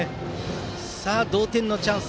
さあ同点のチャンス